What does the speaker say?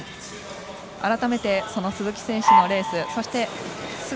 改めて鈴木選手のレース。